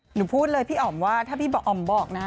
พูดเลยพี่อ๋อมว่าถ้าพี่อ๋อมบอกนะ